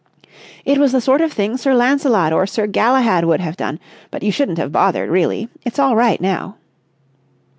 "It was the sort of thing Sir Lancelot or Sir Galahad would have done! But you shouldn't have bothered, really! It's all right, now."